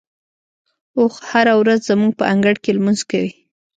اوښ هره ورځ زموږ په انګړ کې لمونځ کوي.